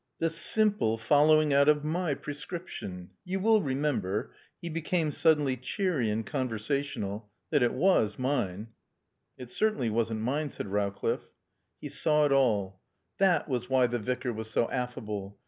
"The simple following out of my prescription. You will remember" (he became suddenly cheery and conversational) "that it was mine." "It certainly wasn't mine," said Rowcliffe. He saw it all. That was why the Vicar was so affable.